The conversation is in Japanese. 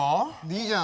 いいじゃん。